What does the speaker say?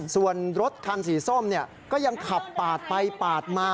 ส่วนรถคันสีส้มก็ยังขับปาดไปปาดมา